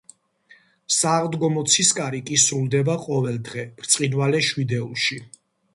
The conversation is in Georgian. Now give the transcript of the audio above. სააღდგომო ცისკარი კი სრულდება ყოველდღე ბრწყინვალე შვიდეულში.